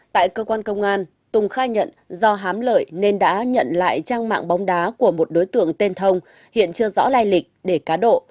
tại cơ quan công an tùng khai nhận do hám lợi nên đã nhận lại trang mạng bóng đá của một đối tượng tên thông hiện chưa rõ lai lịch để cá độ